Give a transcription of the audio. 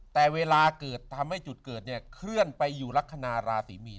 แต่เวลาเกิดทำให้จุดเกิดเนี่ยเคลื่อนไปอยู่ลักษณะราศีมีน